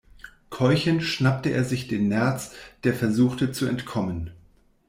Keuchend schnappte er sich den Nerz, der versuchte zu entkommen.